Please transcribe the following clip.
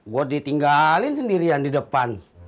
buat ditinggalin sendirian di depan